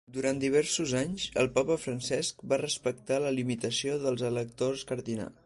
Durant diversos anys, el papa Francesc va respectar la limitació dels electors cardinals.